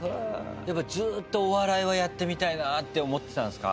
やっぱずっとお笑いをやってみたいなって思ってたんですか？